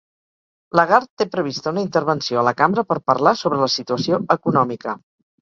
Lagarde té prevista una intervenció a la cambra per parlar sobre la situació econòmica